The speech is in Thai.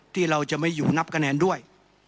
ที่เราจะไม่อยู่นับคะแนนด้วย